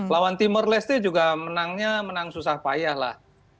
lawan timur leste juga menangnya menang susah payah lah